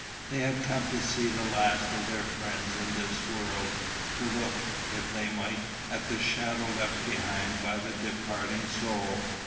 They had come to see the last of their friends in this world; to look, if they might, at the shadow left behind by the departing soul.